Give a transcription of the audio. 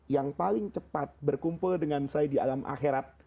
yang paling cepat berkumpul dengan saya di alam akhirat